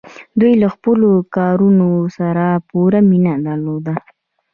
دوی له خپلو کارونو سره پوره مینه درلوده.